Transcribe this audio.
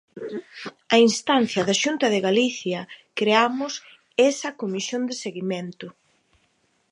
Á instancia da Xunta de Galicia creamos esa comisión de seguimento.